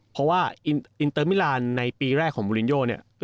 เพราะว่าอินเตอร์มิลานในปีแรกของมูลินโยเนี่ย